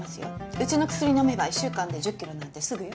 うちの薬のめば１週間で１０ｋｇなんてすぐよ。